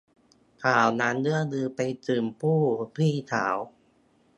ข่าวนั้นเลื่องลือไปถึงผู้พี่สาว